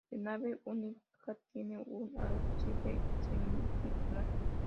De nave única, tiene un ábside semicircular.